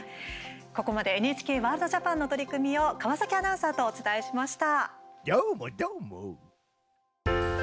ここまでＮＨＫワールドＪＡＰＡＮの取り組みを川崎アナウンサーとお伝えしました。